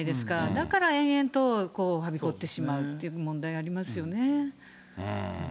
だから延々とはびこってしまうという問題がありますよね。